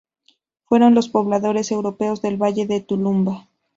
Fueron los pobladores europeos del Valle de Tulumba.